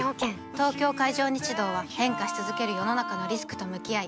東京海上日動は変化し続ける世の中のリスクと向き合い